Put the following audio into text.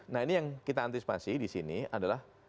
nah ini yang kita antisipasi di sini adalah